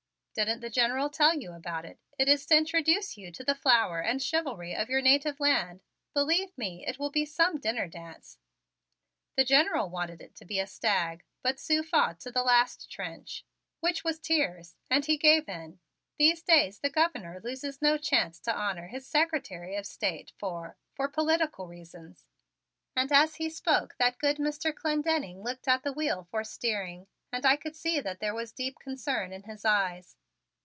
"Didn't the General tell you about it? It is to introduce you to the flower and chivalry of your native land. Believe me, it will be some dinner dance. The General wanted it to be a stag, but Sue fought to the last trench, which was tears, and he gave in. These days the Governor loses no chance to honor his Secretary of State for for political reasons," and as he spoke that good Mr. Clendenning looked at the wheel for steering, and I could see that there was deep concern in his eyes.